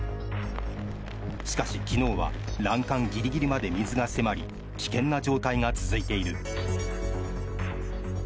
しかし、昨日は欄干ギリギリまで水が迫り危険な状態が続いている。